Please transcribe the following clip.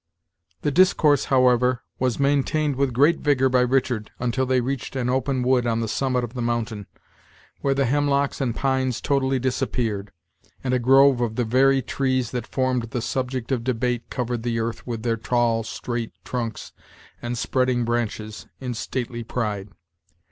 The discourse, however, was maintained with great vigor by Richard, until they reached an open wood on the summit of the mountain, where the hemlocks and pines totally disappeared, and a grove of the very trees that formed the subject of debate covered the earth with their tall, straight trunks and spreading branches, in stately pride.